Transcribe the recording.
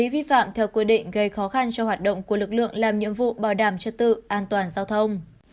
vi phạm theo quy định gây khó khăn cho hoạt động của lực lượng làm nhiệm vụ bảo đảm trật tự an toàn giao thông